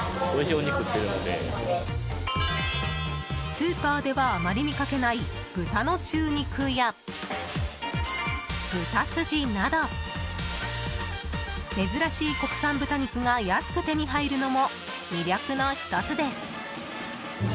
スーパーではあまり見かけない豚の中肉や豚スジなど珍しい国産豚肉が安く手に入るのも魅力の１つです。